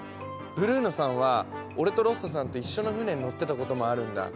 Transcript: ブルーノさんは俺とロッソさんと一緒の船に乗ってたこともあるんだ。